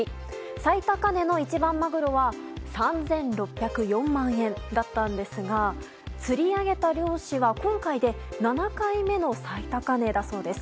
最高値の一番マグロは３６０４万円だったんですが釣り上げた漁師は今回で７回目の最高値なんだそうです。